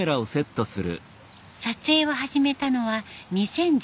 撮影を始めたのは２０１１年。